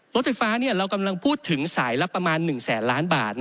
รถไฟฟ้าเรากำลังพูดถึงสายละประมาณ๑แสนล้านบาท